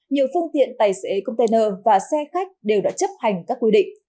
nhiều phương tiện tài xế container và xe khách đều đã chấp hành các quy định